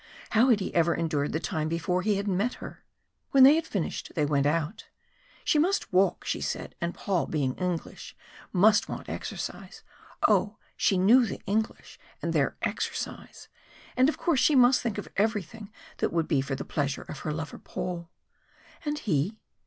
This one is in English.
How had he ever endured the time before he had met her? When they had finished they went out. She must walk, she said, and Paul, being English, must want exercise! Oh! she knew the English and their exercise! And of course she must think of everything that would be for the pleasure of her lover Paul. And he?